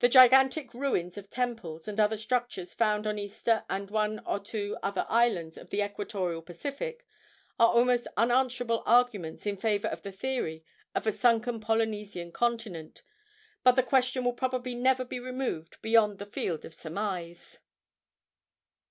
The gigantic ruins of temples and other structures found on Easter and one or two other islands of the equatorial Pacific are almost unanswerable arguments in favor of the theory of a sunken Polynesian continent; but the question will probably never be removed beyond the field of surmise.